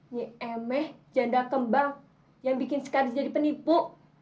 nyi emeh janda kembang yang bikin si kardi jadi penipu